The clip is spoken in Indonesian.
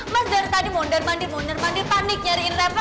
mas dari tadi mondar mandir mondar mandi panik nyariin level